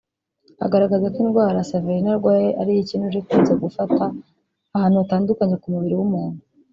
Agaragaza ko indwara Saverina arwaye ari iy’ikinure ikunze gufata ahantu hatandukanye ku mubiri w’ umuntu